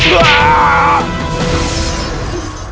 ayo jung generasi ini